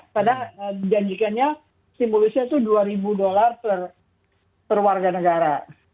padahal dijanjikannya stimulusnya itu dua ribu dolar per warga negara